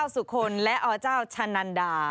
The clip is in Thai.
อสุคลและอชะนันดา